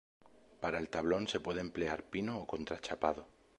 Para el tablón se puede emplear pino o contrachapado.